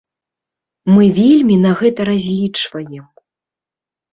Мы вельмі на гэта разлічваем.